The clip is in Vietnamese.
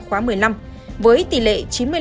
khóa một mươi năm với tỷ lệ